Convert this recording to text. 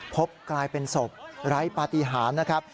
พบกลายเป็นศพไร้ปฏิหารนะครับ